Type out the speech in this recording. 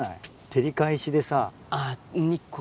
照り返しでさ。